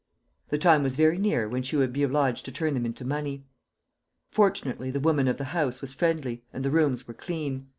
The time was very near when she would be obliged to turn them into money. Fortunately the woman of the house was friendly, and the rooms were clean.